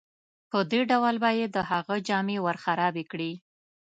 په دې ډول به یې د هغه جامې ورخرابې کړې.